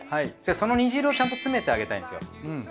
その煮汁をちゃんと詰めてあげたいんですよ。